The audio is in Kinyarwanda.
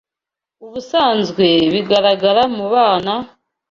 Ubusanzwe bigaragara mu bana,